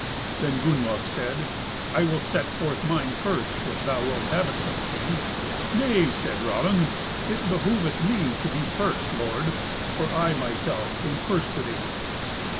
Then Gunnlaug said, "I will set forth mine first if thou wilt have it so, king." "Nay," said Raven, "it behoveth me to be first, lord, for I myself came first to thee."